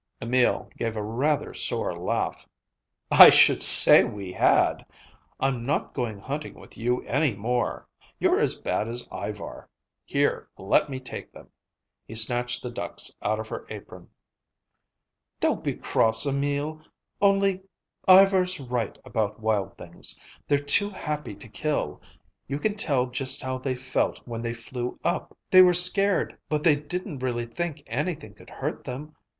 Emil gave a rather sore laugh. "I should say we had! I'm not going hunting with you any more. You're as bad as Ivar. Here, let me take them." He snatched the ducks out of her apron. "Don't be cross, Emil. Only—Ivar's right about wild things. They're too happy to kill. You can tell just how they felt when they flew up. They were scared, but they didn't really think anything could hurt them.